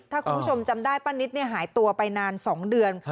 ถ้าคุณผู้ชมจำได้ป้านิตหายตัวไปนาน๒เดือน